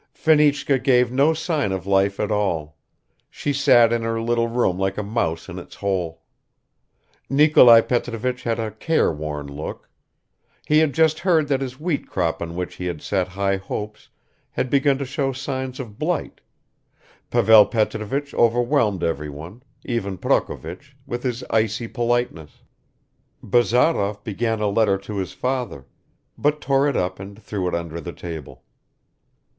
Fenichka gave no sign of life at all; she sat in her little room like a mouse in its hole. Nikolai Petrovich had a careworn look. He had just heard that his wheat crop on which he had set high hopes had begun to show signs of blight, Pavel Petrovich overwhelmed everyone, even Prokovich, with his icy politeness. Bazarov began a letter to his father, but tore it up and threw it under the table.